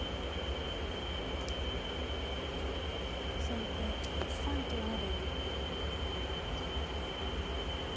先手１三香成。